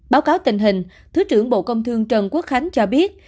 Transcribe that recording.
báo cáo tình hình thứ trưởng bộ công thương trần quốc khánh cho biết